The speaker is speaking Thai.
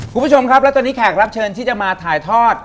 คุณผู้ชมครับและตอนนี้แขกรับเชิญที่จะมาถ่ายทอด